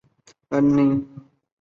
郭衍派船搬运粮食救援。